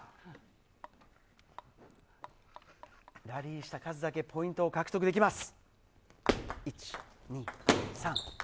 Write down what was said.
ラリーした数だけポイントを獲得できます。